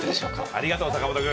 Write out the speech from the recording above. ありがとう、坂本君。